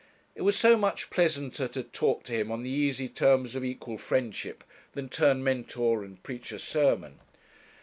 It was so much pleasanter to talk to him on the easy terms of equal friendship than turn Mentor and preach a sermon.